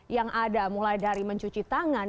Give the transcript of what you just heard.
yang ada mulai dari mencuci tangan